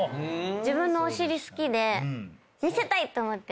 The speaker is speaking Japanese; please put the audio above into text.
自分のお尻好きで見せたい！と思って。